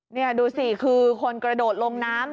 นี่ดูสิคือคนกระโดดลงน้ำ